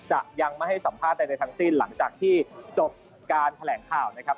จะยังไม่ให้สัมภาษณ์ใดทั้งสิ้นหลังจากที่จบการแถลงข่าวนะครับ